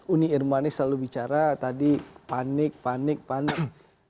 uni irma ini selalu bicara tadi panik panik panik